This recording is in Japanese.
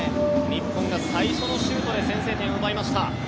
日本が最初のシュートで先制点を奪いました。